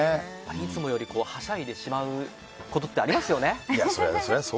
いつもよりはしゃいでしまうことってありますよね。